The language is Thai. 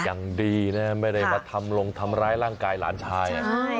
อย่างดีนะไม่ได้มาทำลงทำร้ายร่างกายหลานชาย